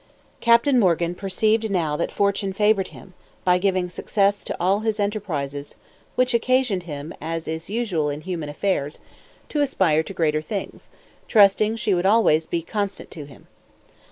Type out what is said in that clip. _ CAPTAIN MORGAN perceived now that Fortune favoured him, by giving success to all his enterprises, which occasioned him, as is usual in human affairs, to aspire to greater things, trusting she would always be constant to him.